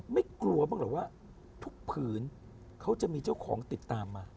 ไม่กลัวบ้างเหรอว่าทุกผืนเขาจะมีเจ้าของติดตามมา